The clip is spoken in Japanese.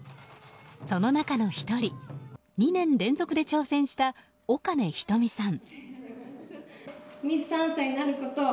その中の１人２年連続で挑戦した、岡根瞳さん。